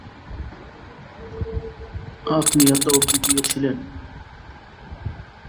আপনি এত অব্ধি গিয়েছিলেন।